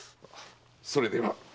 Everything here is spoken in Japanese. それでは。